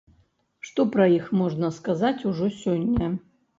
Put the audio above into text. Што пра іх можна сказаць ужо сёння?